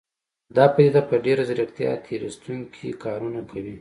دا پديده په ډېره ځيرکتيا تېر ايستونکي کارونه کوي.